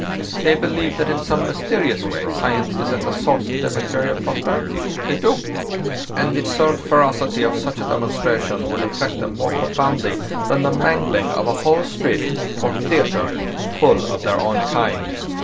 They believe that in some mysterious way science is at the source of their material prosperity. They do. And the absurd ferocity of such a demonstration will affect them more profoundly than the mangling of a whole street—or theatre—full of their own kind.